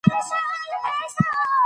ښاري ژوند اسانتیاوې لري خو کلی ارام دی.